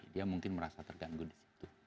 dia mungkin merasa terganggu di situ